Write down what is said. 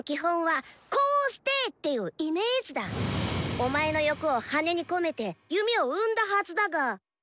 お前の欲を羽根に込めて弓を生んだはずだが。